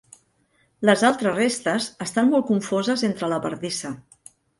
Les altres restes estan molt confoses entre la bardissa.